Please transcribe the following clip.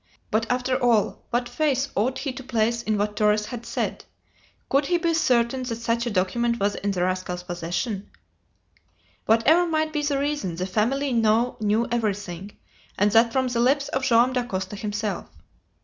But, after all, what faith ought he to place in what Torres had said? Could he be certain that such a document was in the rascal's possession? Whatever might be the reason, the family now knew everything, and that from the lips of Joam Dacosta himself.